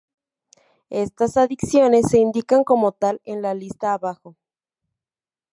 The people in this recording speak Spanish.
Estas adiciones se indican como tal en la lista abajo.